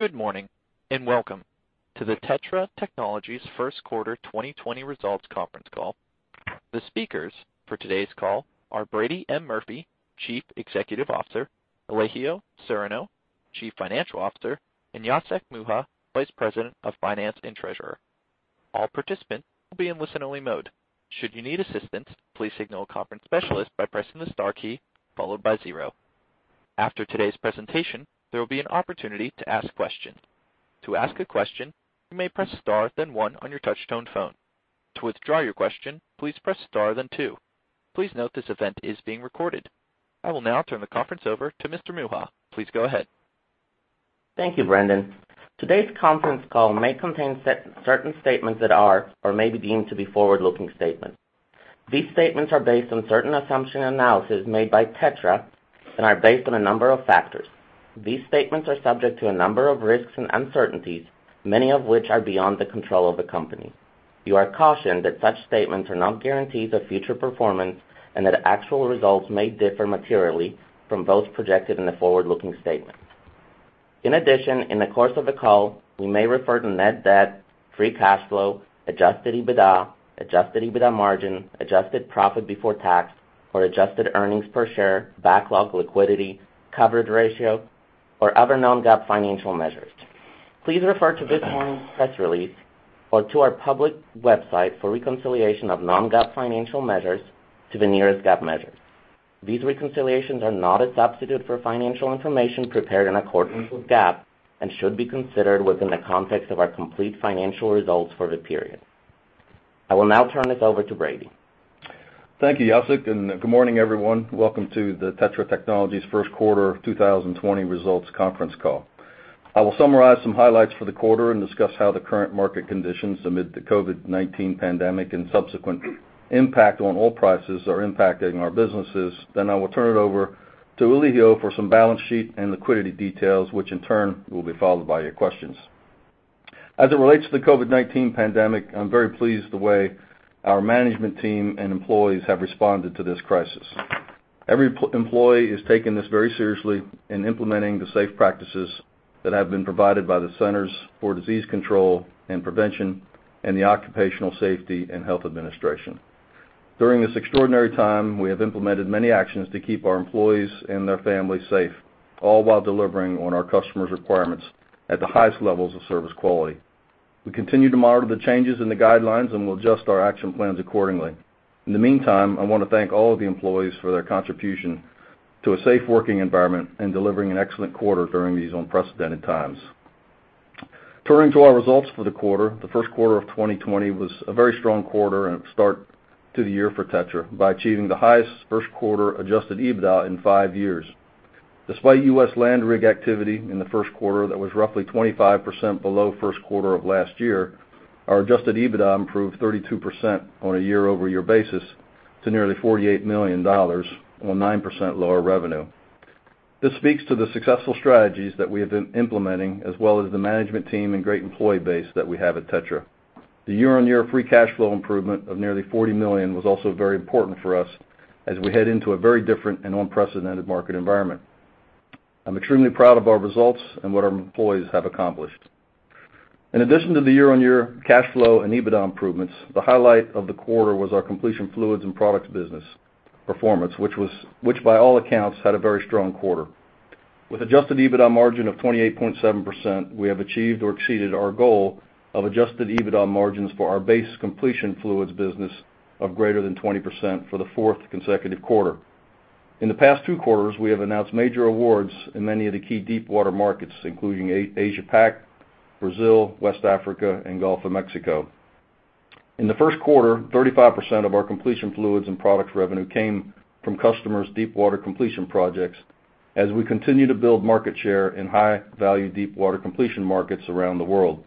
Good morning, and welcome to the TETRA Technologies first quarter 2020 results conference call. The speakers for today's call are Brady M. Murphy, Chief Executive Officer, Elijio Serrano, Chief Financial Officer, and Jacek Mucha, Vice President of Finance and Treasurer. All participants will be in listen-only mode. Should you need assistance, please signal a conference specialist by pressing the star key followed by zero. After today's presentation, there will be an opportunity to ask questions. To ask a question, you may press star then one on your touch-tone phone. To withdraw your question, please press star then two. Please note this event is being recorded. I will now turn the conference over to Mr. Mucha. Please go ahead. Thank you, Brendan. Today's conference call may contain certain statements that are or may be deemed to be forward-looking statements. These statements are based on certain assumption and analysis made by TETRA and are based on a number of factors. These statements are subject to a number of risks and uncertainties, many of which are beyond the control of the company. You are cautioned that such statements are not guarantees of future performance and that actual results may differ materially from those projected in the forward-looking statement. In the course of the call, we may refer to net debt, free cash flow, adjusted EBITDA, adjusted EBITDA margin, adjusted profit before tax or adjusted earnings per share, backlog liquidity, coverage ratio, or other non-GAAP financial measures. Please refer to this morning's press release or to our public website for reconciliation of non-GAAP financial measures to the nearest GAAP measure. These reconciliations are not a substitute for financial information prepared in accordance with GAAP and should be considered within the context of our complete financial results for the period. I will now turn this over to Brady. Thank you, Jacek, and good morning, everyone. Welcome to the TETRA Technologies first quarter 2020 results conference call. I will summarize some highlights for the quarter and discuss how the current market conditions amid the COVID-19 pandemic and subsequent impact on oil prices are impacting our businesses. I will turn it over to Elijio for some balance sheet and liquidity details, which in turn will be followed by your questions. As it relates to the COVID-19 pandemic, I'm very pleased the way our management team and employees have responded to this crisis. Every employee is taking this very seriously and implementing the safe practices that have been provided by the Centers for Disease Control and Prevention and the Occupational Safety and Health Administration. During this extraordinary time, we have implemented many actions to keep our employees and their families safe, all while delivering on our customers' requirements at the highest levels of service quality. We continue to monitor the changes in the guidelines and will adjust our action plans accordingly. In the meantime, I want to thank all of the employees for their contribution to a safe working environment and delivering an excellent quarter during these unprecedented times. Turning to our results for the quarter, the first quarter of 2020 was a very strong quarter and start to the year for TETRA by achieving the highest first quarter adjusted EBITDA in five years. Despite U.S. land rig activity in the first quarter, that was roughly 25% below first quarter of last year, our adjusted EBITDA improved 32% on a year-over-year basis to nearly $48 million on 9% lower revenue. This speaks to the successful strategies that we have been implementing as well as the management team and great employee base that we have at TETRA. The year-on-year free cash flow improvement of nearly $40 million was also very important for us as we head into a very different and unprecedented market environment. I'm extremely proud of our results and what our employees have accomplished. In addition to the year-on-year cash flow and EBITDA improvements, the highlight of the quarter was our completion fluids and products business performance, which by all accounts had a very strong quarter. With adjusted EBITDA margin of 28.7%, we have achieved or exceeded our goal of adjusted EBITDA margins for our base completion fluids business of greater than 20% for the fourth consecutive quarter. In the past two quarters, we have announced major awards in many of the key deep water markets, including Asia Pac, Brazil, West Africa, and Gulf of Mexico. In the first quarter, 35% of our completion fluids and products revenue came from customers' deep water completion projects as we continue to build market share in high-value deep water completion markets around the world.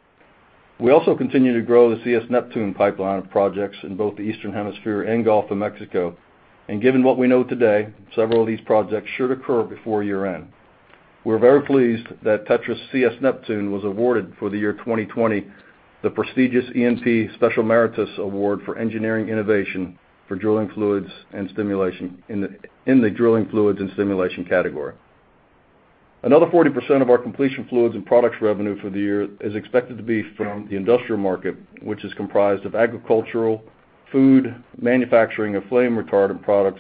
Given what we know today, several of these projects should occur before year-end. We're very pleased that TETRA's CS Neptune was awarded for the year 2020, the prestigious E&P Special Meritorious Award for Engineering Innovation in the drilling fluids and stimulation category. Another 40% of our completion fluids and products revenue for the year is expected to be from the industrial market, which is comprised of agricultural, food, manufacturing of flame retardant products,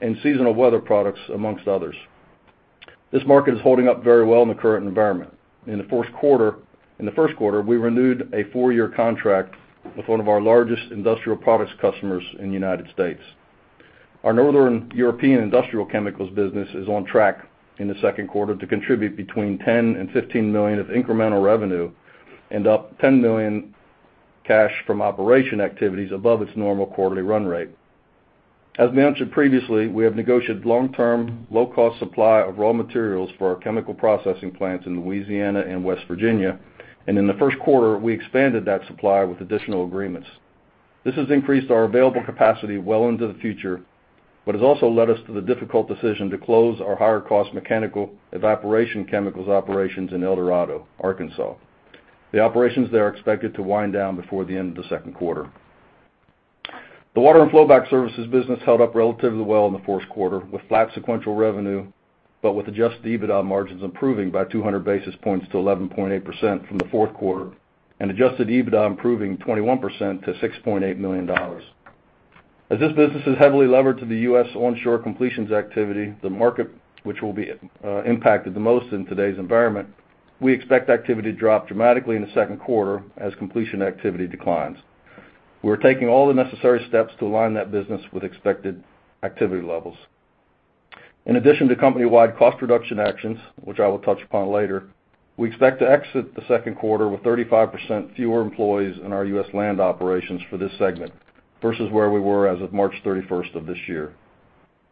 and seasonal weather products, amongst others. This market is holding up very well in the current environment. In the first quarter, we renewed a four-year contract with one of our largest industrial products customers in the United States. Our Northern European industrial chemicals business is on track in the second quarter to contribute between $10 million-$15 million of incremental revenue and up $10 million cash from operation activities above its normal quarterly run rate. As mentioned previously, we have negotiated long-term, low-cost supply of raw materials for our chemical processing plants in Louisiana and West Virginia. In the first quarter, we expanded that supply with additional agreements. This has increased our available capacity well into the future, but has also led us to the difficult decision to close our higher cost mechanical evaporation chemicals operations in El Dorado, Arkansas. The operations there are expected to wind down before the end of the second quarter. The water and flowback services business held up relatively well in the first quarter with flat sequential revenue, but with adjusted EBITDA margins improving by 200 basis points to 11.8% from the fourth quarter and adjusted EBITDA improving 21% to $6.8 million. As this business is heavily levered to the U.S. onshore completions activity, the market which will be impacted the most in today's environment, we expect activity to drop dramatically in the second quarter as completion activity declines. We're taking all the necessary steps to align that business with expected activity levels. In addition to company-wide cost reduction actions, which I will touch upon later, we expect to exit the second quarter with 35% fewer employees in our U.S. land operations for this segment versus where we were as of March 31st of this year.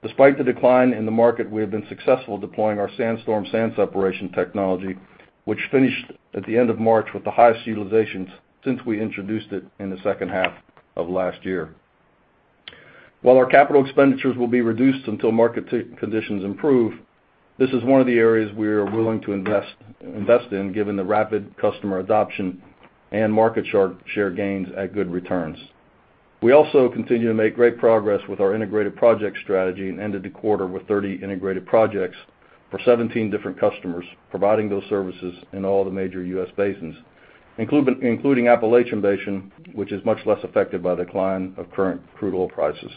Despite the decline in the market, we have been successful deploying our SandStorm sand separation technology, which finished at the end of March with the highest utilizations since we introduced it in the second half of last year. While our capital expenditures will be reduced until market conditions improve, this is one of the areas we are willing to invest in given the rapid customer adoption and market share gains at good returns. We also continue to make great progress with our integrated project strategy and ended the quarter with 30 integrated projects for 17 different customers, providing those services in all the major U.S. basins, including Appalachian Basin, which is much less affected by the decline of current crude oil prices.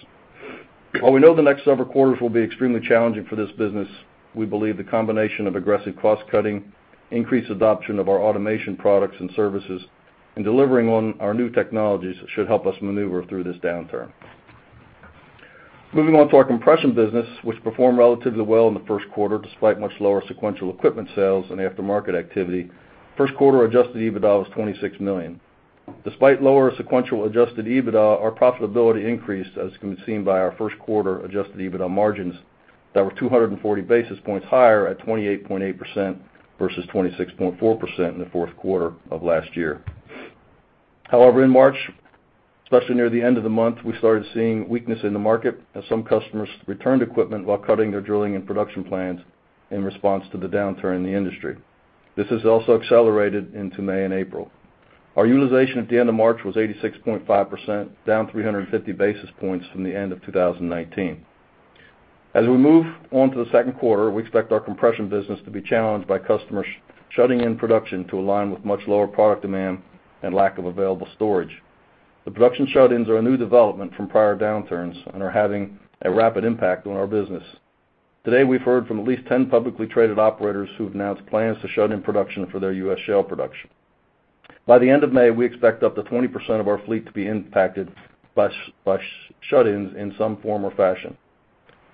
While we know the next several quarters will be extremely challenging for this business, we believe the combination of aggressive cost-cutting, increased adoption of our automation products and services, and delivering on our new technologies should help us maneuver through this downturn. Moving on to our compression business, which performed relatively well in the first quarter despite much lower sequential equipment sales and aftermarket activity. First quarter adjusted EBITDA was $26 million. Despite lower sequential adjusted EBITDA, our profitability increased, as can be seen by our first quarter adjusted EBITDA margins that were 240 basis points higher at 28.8% versus 26.4% in the fourth quarter of last year. However, in March, especially near the end of the month, we started seeing weakness in the market as some customers returned equipment while cutting their drilling and production plans in response to the downturn in the industry. This has also accelerated into May and April. Our utilization at the end of March was 86.5%, down 350 basis points from the end of 2019. As we move on to the second quarter, we expect our compression business to be challenged by customers shutting in production to align with much lower product demand and lack of available storage. The production shut-ins are a new development from prior downturns and are having a rapid impact on our business. Today, we've heard from at least 10 publicly traded operators who have announced plans to shut in production for their U.S. shale production. By the end of May, we expect up to 20% of our fleet to be impacted by shut-ins in some form or fashion.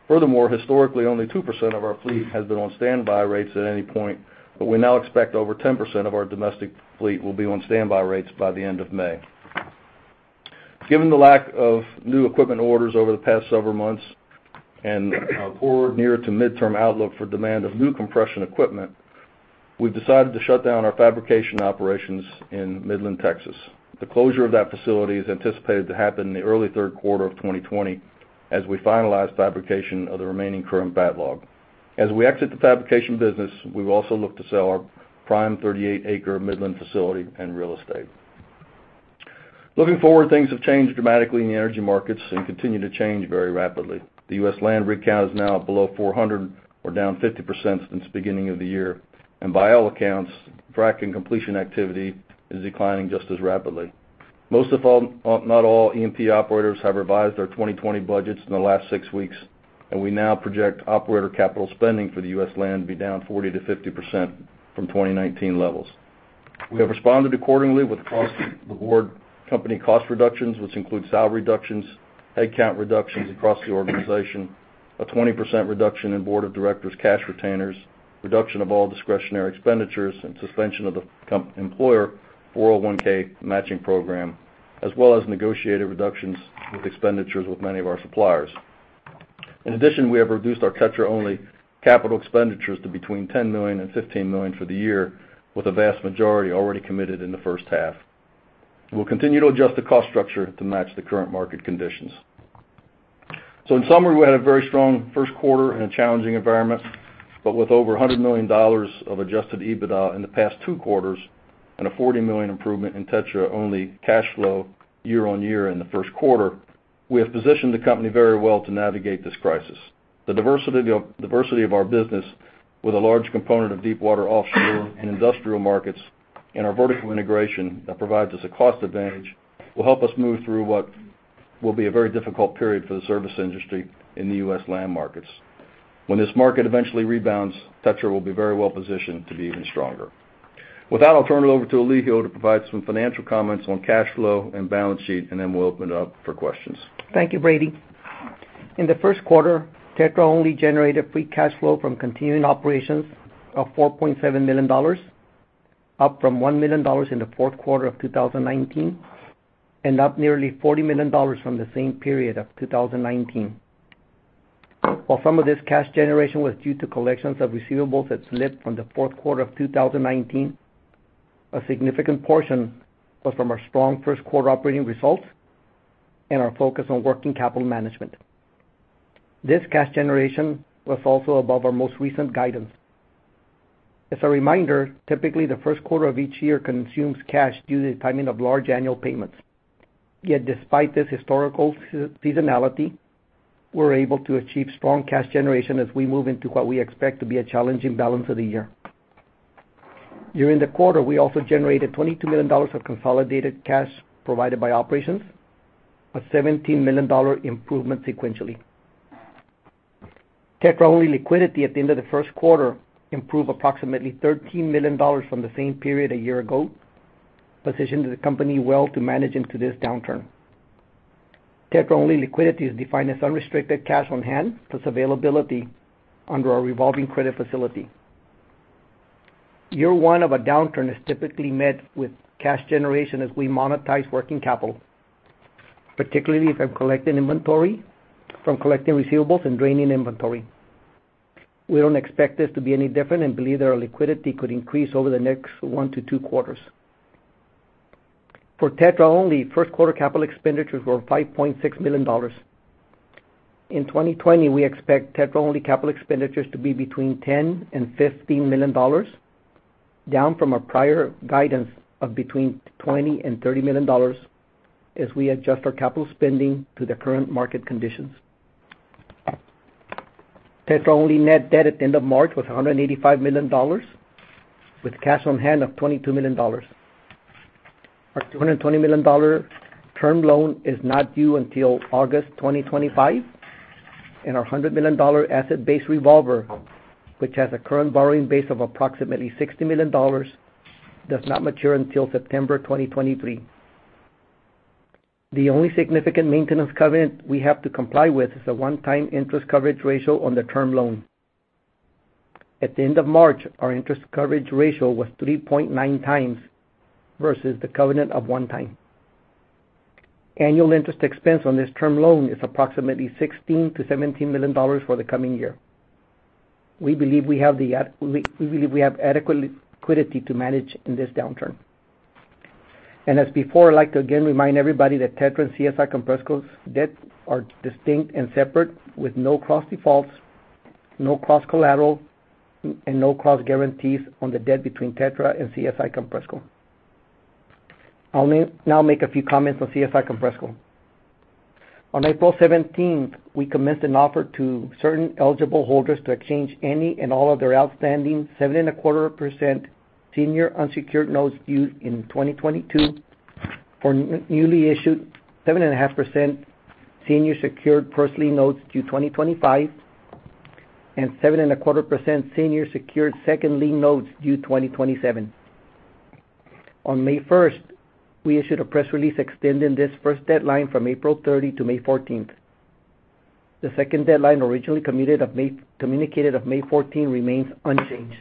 Furthermore, historically, only 2% of our fleet has been on standby rates at any point, but we now expect over 10% of our domestic fleet will be on standby rates by the end of May. Given the lack of new equipment orders over the past several months and our poor near to midterm outlook for demand of new compression equipment, we've decided to shut down our fabrication operations in Midland, Texas. The closure of that facility is anticipated to happen in the early third quarter of 2020 as we finalize fabrication of the remaining current backlog. As we exit the fabrication business, we will also look to sell our prime 38-acre Midland facility and real estate. Looking forward, things have changed dramatically in the energy markets and continue to change very rapidly. The U.S. land rig count is now below 400 or down 50% since the beginning of the year. By all accounts, frack and completion activity is declining just as rapidly. Most, if not all, E&P operators have revised their 2020 budgets in the last six weeks, and we now project operator capital spending for the U.S. land to be down 40%-50% from 2019 levels. We have responded accordingly with across-the-board company cost reductions, which include salary reductions, headcount reductions across the organization, a 20% reduction in board of directors' cash retainers, reduction of all discretionary expenditures, and suspension of the employer 401 matching program, as well as negotiated reductions with expenditures with many of our suppliers. In addition, we have reduced our TETRA-only capital expenditures to between $10 million and $15 million for the year, with a vast majority already committed in the first half. We'll continue to adjust the cost structure to match the current market conditions. In summary, we had a very strong first quarter in a challenging environment, but with over $100 million of adjusted EBITDA in the past two quarters and a $40 million improvement in TETRA-only cash flow year-on-year in the first quarter, we have positioned the company very well to navigate this crisis. The diversity of our business with a large component of deep water offshore and industrial markets, and our vertical integration that provides us a cost advantage will help us move through what will be a very difficult period for the service industry in the U.S. land markets. When this market eventually rebounds, TETRA will be very well-positioned to be even stronger. With that, I'll turn it over to Elijio to provide some financial comments on cash flow and balance sheet, and then we'll open it up for questions. Thank you, Brady. In the first quarter, TETRA only generated free cash flow from continuing operations of $4.7 million, up from $1 million in the fourth quarter of 2019 and up nearly $40 million from the same period of 2019. While some of this cash generation was due to collections of receivables that slipped from the fourth quarter of 2019, a significant portion was from our strong first quarter operating results and our focus on working capital management. This cash generation was also above our most recent guidance. As a reminder, typically the first quarter of each year consumes cash due to the timing of large annual payments. Yet despite this historical seasonality, we're able to achieve strong cash generation as we move into what we expect to be a challenging balance of the year. During the quarter, we also generated $22 million of consolidated cash provided by operations, a $17 million improvement sequentially. TETRA-only liquidity at the end of the first quarter improved approximately $13 million from the same period a year ago, positioning the company well to manage into this downturn. TETRA-only liquidity is defined as unrestricted cash on hand, plus availability under our revolving credit facility. Year one of a downturn is typically met with cash generation as we monetize working capital, particularly from collecting receivables and draining inventory. We don't expect this to be any different and believe that our liquidity could increase over the next one to two quarters. For TETRA-only, first quarter capital expenditures were $5.6 million. In 2020, we expect TETRA-only capital expenditures to be between $10 million and $15 million, down from a prior guidance of between $20 million and $30 million, as we adjust our capital spending to the current market conditions. TETRA-only net debt at the end of March was $185 million, with cash on hand of $22 million. Our $220 million term loan is not due until August 2025, and our $100 million asset-based revolver, which has a current borrowing base of approximately $60 million, does not mature until September 2023. The only significant maintenance covenant we have to comply with is a one-time interest coverage ratio on the term loan. At the end of March, our interest coverage ratio was 3.9x versus the covenant of 1x. Annual interest expense on this term loan is approximately $16 million-$17 million for the coming year. We believe we have adequate liquidity to manage in this downturn. As before, I'd like to again remind everybody that TETRA and CSI Compressco's debt are distinct and separate, with no cross defaults, no cross collateral, and no cross guarantees on the debt between TETRA and CSI Compressco. I'll now make a few comments on CSI Compressco. On April 17th, we commenced an offer to certain eligible holders to exchange any and all of their outstanding 7.25% senior unsecured notes due in 2022 for newly issued 7.5% senior secured first-lien notes due 2025 and 7.25% senior secured second lien notes due 2027. On May 1st, we issued a press release extending this first deadline from April 30 to May 14th. The second deadline originally communicated of May 14 remains unchanged.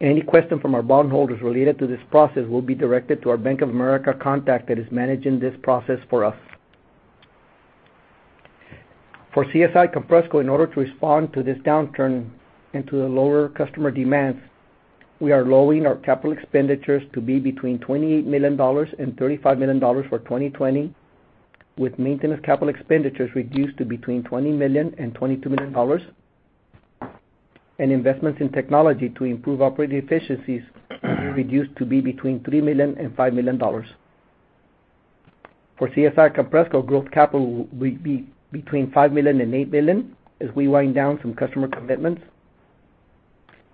Any question from our bondholders related to this process will be directed to our Bank of America contact that is managing this process for us. For CSI Compressco, in order to respond to this downturn and to the lower customer demands, we are lowering our capital expenditures to be between $28 million and $35 million for 2020, with maintenance capital expenditures reduced to between $20 million and $22 million, and investments in technology to improve operating efficiencies reduced to be between $3 million and $5 million. For CSI Compressco, growth capital will be between $5 million and $8 million as we wind down some customer commitments.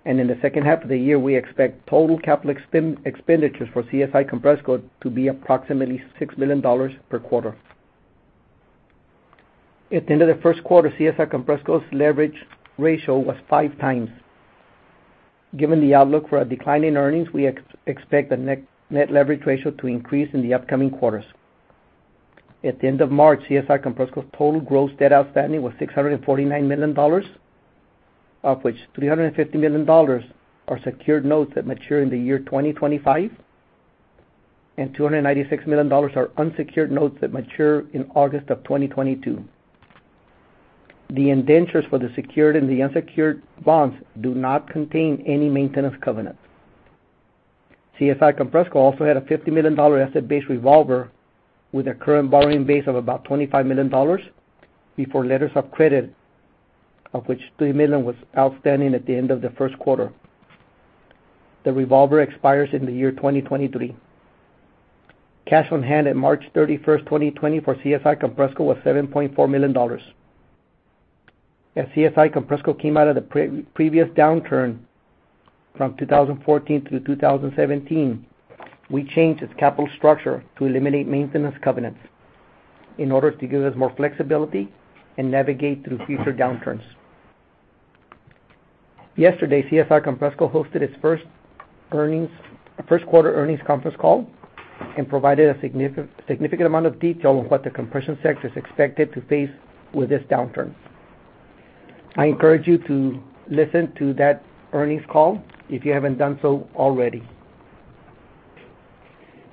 In the second half of the year, we expect total capital expenditures for CSI Compressco to be approximately $6 million per quarter. At the end of the first quarter, CSI Compressco's leverage ratio was 5x. Given the outlook for a decline in earnings, we expect the net leverage ratio to increase in the upcoming quarters. At the end of March, CSI Compressco's total gross debt outstanding was $649 million, of which $350 million are secured notes that mature in the year 2025 and $296 million are unsecured notes that mature in August of 2022. The indentures for the secured and the unsecured bonds do not contain any maintenance covenant. CSI Compressco also had a $50 million asset-based revolver with a current borrowing base of about $25 million before letters of credit, of which $3 million was outstanding at the end of the first quarter. The revolver expires in the year 2023. Cash on hand at March 31st, 2020 for CSI Compressco was $7.4 million. As CSI Compressco came out of the previous downturn from 2014 through 2017, we changed its capital structure to eliminate maintenance covenants in order to give us more flexibility and navigate through future downturns. Yesterday, CSI Compressco hosted its first quarter earnings conference call and provided a significant amount of detail on what the compression sector is expected to face with this downturn. I encourage you to listen to that earnings call if you haven't done so already.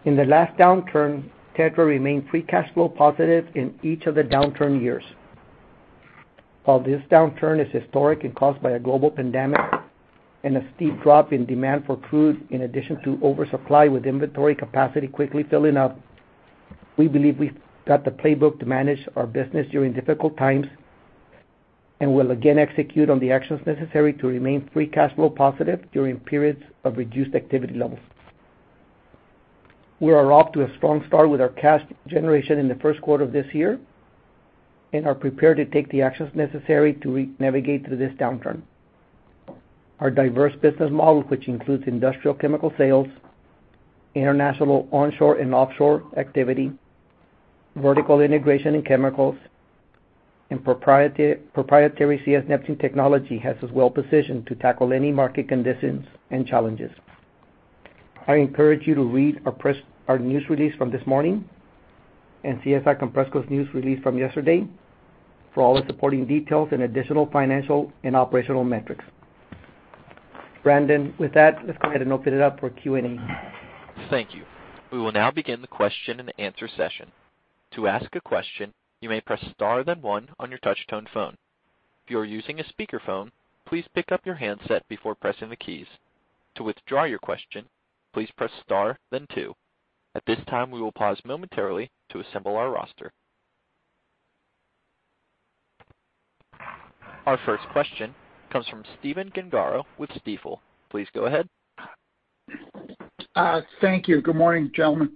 In the last downturn, TETRA remained free cash flow positive in each of the downturn years. While this downturn is historic and caused by a global pandemic and a steep drop in demand for crude, in addition to oversupply with inventory capacity quickly filling up. We believe we've got the playbook to manage our business during difficult times, and we'll again execute on the actions necessary to remain free cash flow positive during periods of reduced activity levels. We are off to a strong start with our cash generation in the first quarter of this year and are prepared to take the actions necessary to re-navigate through this downturn. Our diverse business model, which includes industrial chemical sales, international onshore and offshore activity, vertical integration in chemicals, and proprietary CS Neptune technology has us well-positioned to tackle any market conditions and challenges. I encourage you to read our news release from this morning and CSI Compressco's news release from yesterday for all the supporting details and additional financial and operational metrics. Brendan, with that, let's go ahead and open it up for Q&A. Thank you. We will now begin the question and answer session. To ask a question, you may press star then one on your touch-tone phone. If you are using a speakerphone, please pick up your handset before pressing the keys. To withdraw your question, please press star then two. At this time, we will pause momentarily to assemble our roster. Our first question comes from Stephen Gengaro with Stifel. Please go ahead. Thank you. Good morning, gentlemen.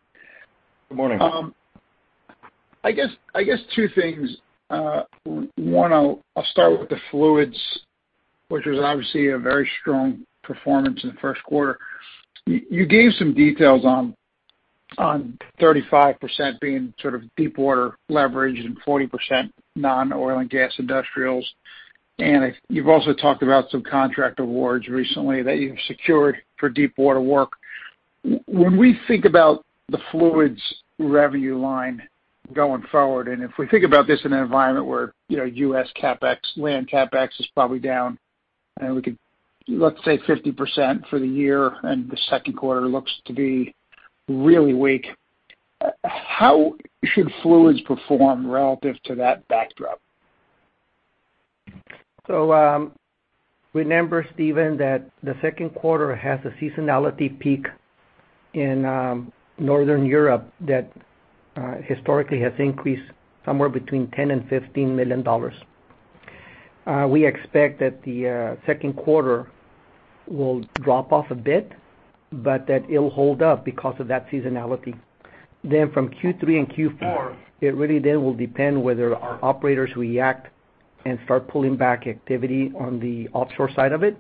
Good morning. I guess two things. One, I'll start with the fluids, which was obviously a very strong performance in the first quarter. You gave some details on 35% being sort of deepwater leverage and 40% non-oil and gas industrials. You've also talked about some contract awards recently that you've secured for deepwater work. When we think about the fluids revenue line going forward, if we think about this in an environment where U.S. CapEx, land CapEx is probably down, let's say 50% for the year, and the second quarter looks to be really weak. How should fluids perform relative to that backdrop? Remember, Stephen, that the second quarter has a seasonality peak in Northern Europe that historically has increased somewhere between $10 million and $15 million. We expect that the second quarter will drop off a bit, but that it'll hold up because of that seasonality. From Q3 and Q4, it really then will depend whether our operators react and start pulling back activity on the offshore side of it.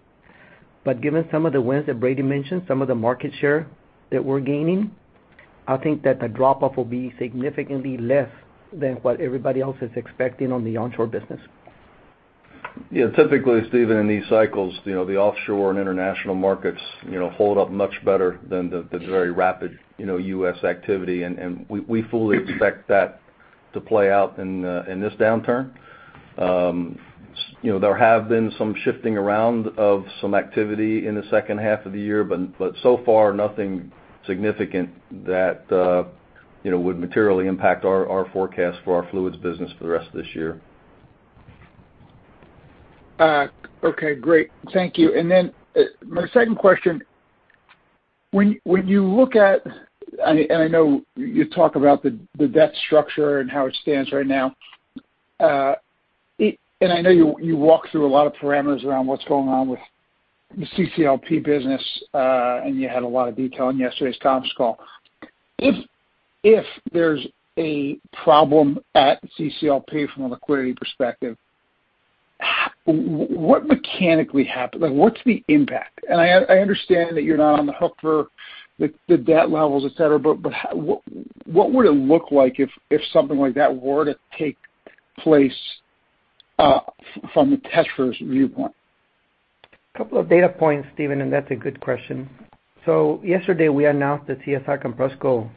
Given some of the wins that Brady mentioned, some of the market share that we're gaining, I think that the drop off will be significantly less than what everybody else is expecting on the onshore business. Yeah. Typically, Stephen, in these cycles, the offshore and international markets hold up much better than the very rapid U.S. activity. We fully expect that to play out in this downturn. There have been some shifting around of some activity in the second half of the year, so far, nothing significant that would materially impact our forecast for our fluids business for the rest of this year. Okay, great. Thank you. My second question, when you look at, and I know you talk about the debt structure and how it stands right now. I know you walk through a lot of parameters around what's going on with the CCLP business, and you had a lot of detail in yesterday's conference call. If there's a problem at CCLP from a liquidity perspective, what mechanically happens? What's the impact? I understand that you're not on the hook for the debt levels, etc, but what would it look like if something like that were to take place from TETRA's viewpoint? Couple of data points, Stephen, that's a good question. Yesterday we announced that CSI Compressco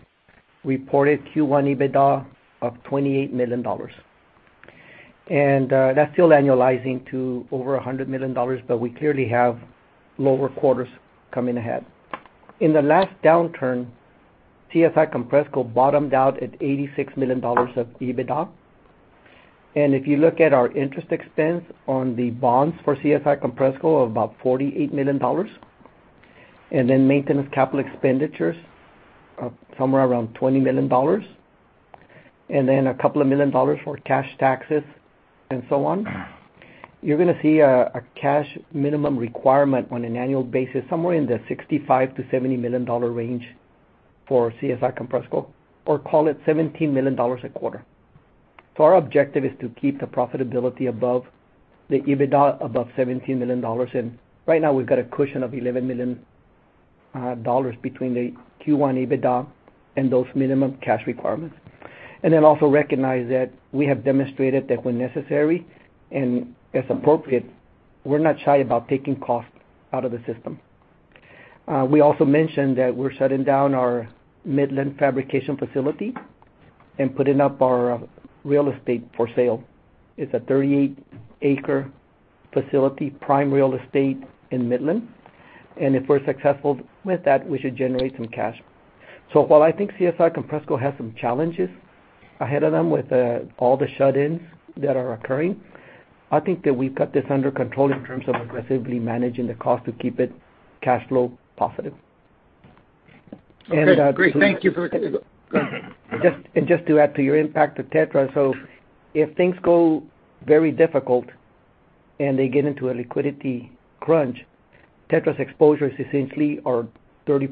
reported Q1 EBITDA of $28 million. That's still annualizing to over $100 million, but we clearly have lower quarters coming ahead. In the last downturn, CSI Compressco bottomed out at $86 million of EBITDA. If you look at our interest expense on the bonds for CSI Compressco of about $48 million, then maintenance capital expenditures of somewhere around $20 million, then $2 million for cash taxes and so on, you're gonna see a cash minimum requirement on an annual basis somewhere in the $65 million-$70 million range for CSI Compressco, or call it $17 million a quarter. Our objective is to keep the profitability above the EBITDA above $17 million. Right now we've got a cushion of $11 million between the Q1 EBITDA and those minimum cash requirements. Also recognize that we have demonstrated that when necessary and as appropriate, we're not shy about taking cost out of the system. We also mentioned that we're shutting down our Midland fabrication facility and putting up our real estate for sale. It's a 38 acre facility, prime real estate in Midland. If we're successful with that, we should generate some cash. While I think CSI Compressco has some challenges ahead of them with all the shut-ins that are occurring. I think that we've got this under control in terms of aggressively managing the cost to keep it cash flow positive. Okay, great. Thank you. Go ahead. Just to add to your impact to TETRA. If things go very difficult and they get into a liquidity crunch, TETRA's exposures essentially are 34%,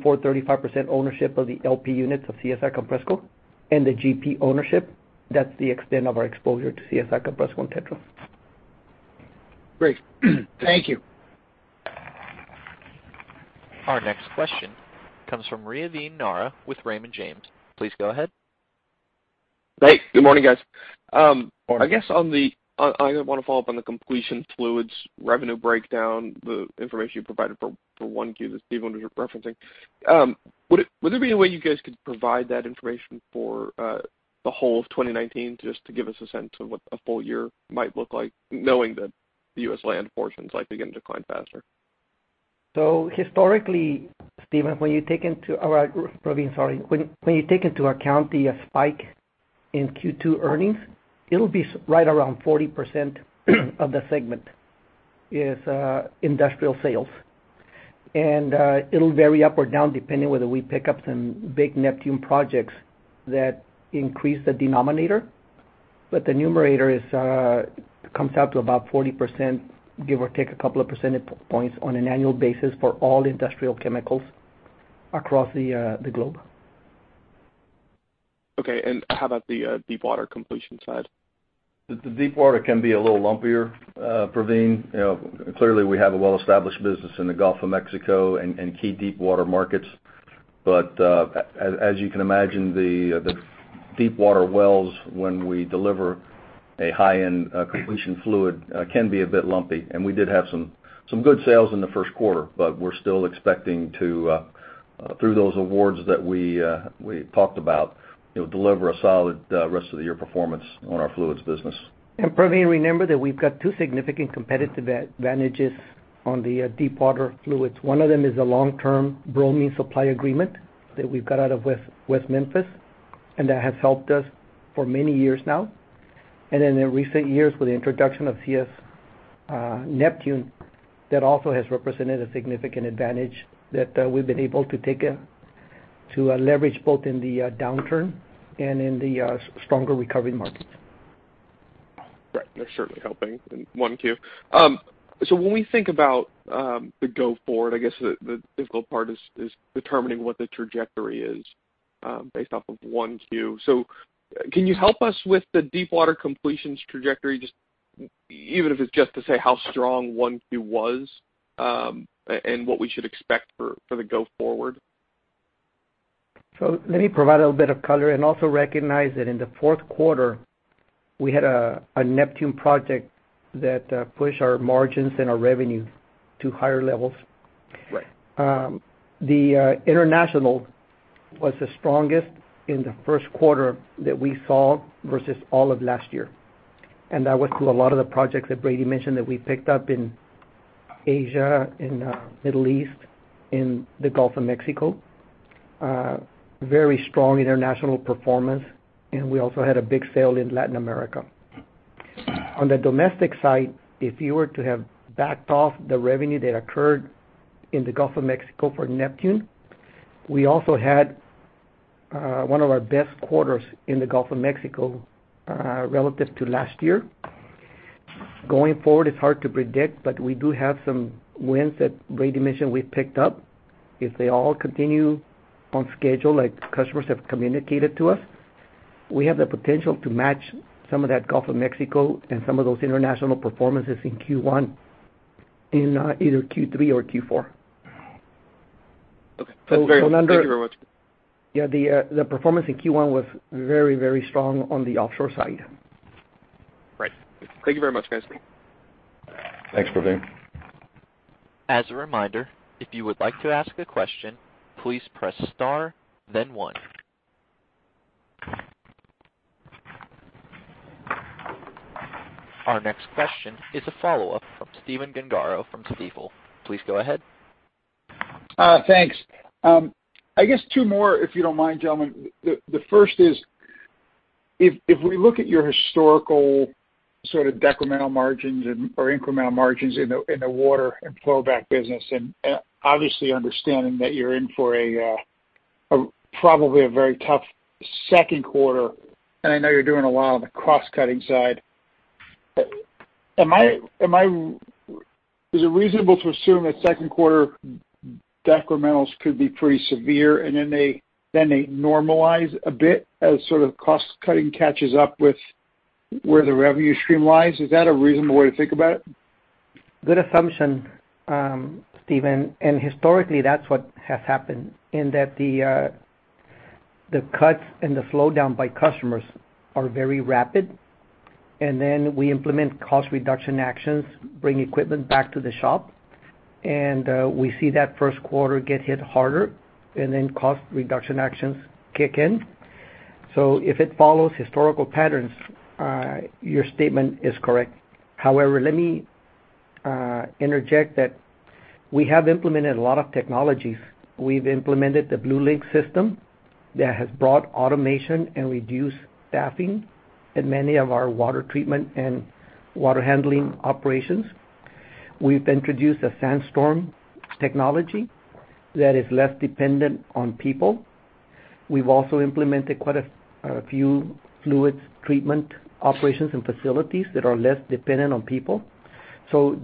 35% ownership of the LP units of CSI Compressco and the GP ownership. That's the extent of our exposure to CSI Compressco and TETRA. Great. Thank you. Our next question comes from Praveen Narra with Raymond James. Please go ahead. Hey, good morning, guys. Morning. I want to follow up on the completion fluids revenue breakdown, the information you provided for 1Q that Stephen was referencing. Would there be a way you guys could provide that information for the whole of 2019 just to give us a sense of what a full year might look like, knowing that the U.S. land portion is likely going to decline faster? Historically, Praveen, when you take into account the spike in Q2 earnings, it'll be right around 40% of the segment is industrial sales. It'll vary up or down depending whether we pick up some big Neptune projects that increase the denominator. The numerator comes out to about 40%, give or take a couple of percentage points on an annual basis for all industrial chemicals across the globe. Okay, how about the deep water completion side? The deep water can be a little lumpier, Praveen. Clearly, we have a well-established business in the Gulf of Mexico and key deep water markets. As you can imagine, the deep water wells, when we deliver a high-end completion fluid, can be a bit lumpy. We did have some good sales in the first quarter, but we're still expecting to, through those awards that we talked about, deliver a solid rest of the year performance on our fluids business. Praveen, remember that we've got two significant competitive advantages on the deep water fluids. One of them is a long-term bromine supply agreement that we've got out of West Memphis. That has helped us for many years now. In recent years, with the introduction of CS Neptune, that also has represented a significant advantage that we've been able to take to leverage both in the downturn and in the stronger recovery markets. Right. They're certainly helping in 1Q. When we think about the go forward, I guess the difficult part is determining what the trajectory is based off of 1Q. Can you help us with the deep water completions trajectory, even if it's just to say how strong 1Q was, and what we should expect for the go forward? Let me provide a bit of color and also recognize that in the fourth quarter, we had a Neptune project that pushed our margins and our revenue to higher levels. Right. The international was the strongest in the first quarter that we saw versus all of last year. That was through a lot of the projects that Brady mentioned that we picked up in Asia, in Middle East, in the Gulf of Mexico. A very strong international performance. We also had a big sale in Latin America. On the domestic side, if you were to have backed off the revenue that occurred in the Gulf of Mexico for Neptune, we also had one of our best quarters in the Gulf of Mexico relative to last year. Going forward, it's hard to predict. We do have some wins that Brady mentioned we've picked up. If they all continue on schedule, like customers have communicated to us, we have the potential to match some of that Gulf of Mexico and some of those international performances in Q1 in either Q3 or Q4. Okay. That's very helpful. Thank you very much. Yeah, the performance in Q1 was very strong on the offshore side. Right. Thank you very much, guys. Thanks, Praveen. As a reminder, if you would like to ask a question, please press star, then one. Our next question is a follow-up from Stephen Gengaro from Stifel. Please go ahead. Thanks. I guess two more, if you don't mind, gentlemen. The first is, if we look at your historical decremental margins or incremental margins in the water and flow back business, and obviously understanding that you're in for probably a very tough second quarter, and I know you're doing a lot on the cost-cutting side. Is it reasonable to assume that second quarter decrementals could be pretty severe, and then they normalize a bit as sort of cost-cutting catches up with where the revenue stream lies? Is that a reasonable way to think about it? Good assumption, Stephen. Historically, that's what has happened in that the cuts and the slowdown by customers are very rapid, and then we implement cost reduction actions, bring equipment back to the shop, and then we see that first quarter get hit harder, and then cost reduction actions kick in. If it follows historical patterns, your statement is correct. Let me interject that we have implemented a lot of technologies. We've implemented the BlueLinx system that has brought automation and reduced staffing at many of our water treatment and water handling operations. We've introduced a SandStorm technology that is less dependent on people. We've also implemented quite a few fluids treatment operations and facilities that are less dependent on people.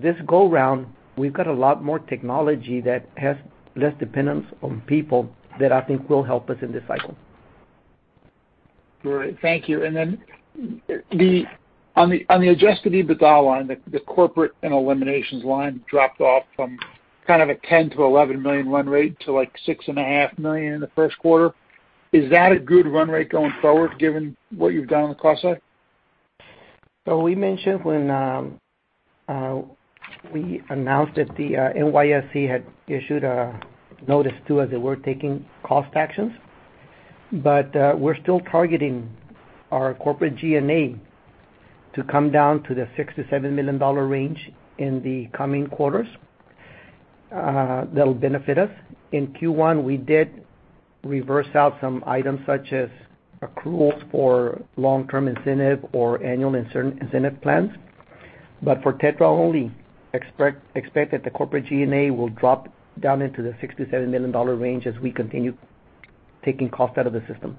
This go round, we've got a lot more technology that has less dependence on people that I think will help us in this cycle. Great. Thank you. On the adjusted EBITDA line, the corporate and eliminations line dropped off from kind of a $10 million-$11 million run rate to like $6.5 million in the first quarter. Is that a good run rate going forward given what you've done on the cost side? We mentioned when we announced that the NYSE had issued a notice to us that we're taking cost actions, we're still targeting our corporate G&A to come down to the $6 million-$7 million range in the coming quarters. That'll benefit us. In Q1, we did reverse out some items such as accruals for long-term incentive or annual incentive plans. For TETRA only, expect that the corporate G&A will drop down into the $6 million-$7 million range as we continue taking cost out of the system.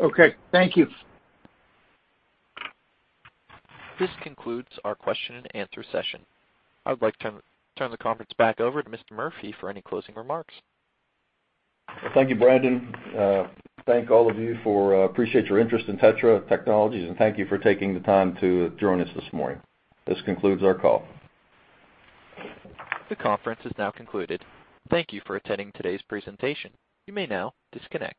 Okay. Thank you. This concludes our question and answer session. I would like to turn the conference back over to Mr. Murphy for any closing remarks. Thank you, Brendan. Thank all of you, appreciate your interest in TETRA Technologies, and thank you for taking the time to join us this morning. This concludes our call. The conference is now concluded. Thank you for attending today's presentation. You may now disconnect.